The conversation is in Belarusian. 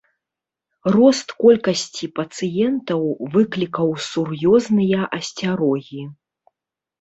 Рост колькасці пацыентаў выклікаў сур'ёзныя асцярогі.